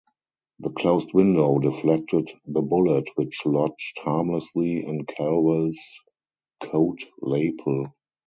The closed window deflected the bullet, which lodged harmlessly in Calwell's coat lapel.